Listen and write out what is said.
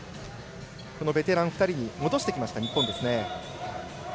このベテラン２人に戻してきた日本です。